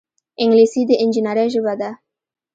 انګلیسي د انجینرۍ ژبه ده